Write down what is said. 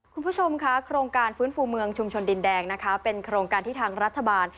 คุณผู้ชมค่ะโครงการฟื้นฟูเมืองชุมชนดินแดงนะคะเป็นโครงการที่ทางรัฐบาล